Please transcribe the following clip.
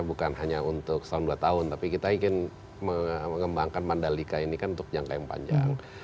bukan hanya untuk setahun dua tahun tapi kita ingin mengembangkan mandalika ini kan untuk jangka yang panjang